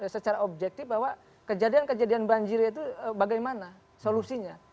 secara objektif bahwa kejadian kejadian banjir itu bagaimana solusinya